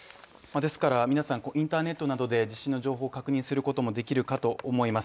ですから皆さん、インターネットなどで地震の情報を確認することもできると思います。